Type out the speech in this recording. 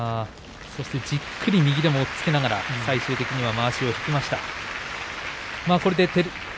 じっくり右でも押っつけながら最終的にはまわしを引きました。